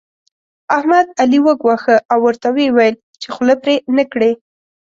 احمد؛ علي وګواښه او ورته ويې ويل چې خوله پرې نه کړې.